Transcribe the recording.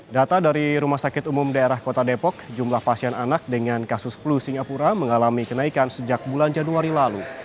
data dari rumah sakit umum daerah kota depok jumlah pasien anak dengan kasus flu singapura mengalami kenaikan sejak bulan januari lalu